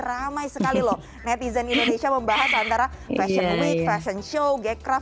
ramai sekali loh netizen indonesia membahas antara fashion week fashion show gecraft